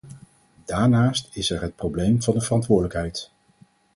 Daarnaast is er het probleem van de verantwoordelijkheid.